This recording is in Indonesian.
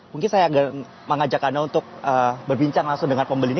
mungkin saya mengajak anda untuk berbincang langsung dengan pembeli ini